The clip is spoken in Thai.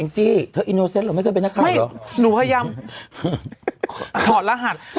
เองจี้เธอหรอไม่เกิดเป็นนักครับหรอไม่หนูพยายามถอดรหัส